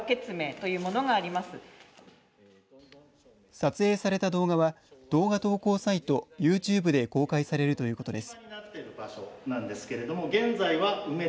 撮影された動画は動画投稿サイトＹｏｕＴｕｂｅで公開されるということです。